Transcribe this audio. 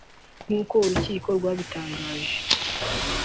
nk’uko urukiko rwabitangaje